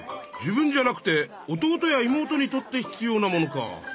自分じゃなくて弟や妹にとって必要なものか！